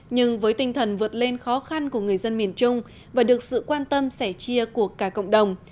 nhưng với tinh thần vượt lên khó khăn của người dân miền trung và được sự quan tâm sẻ chia của cả cộng đồng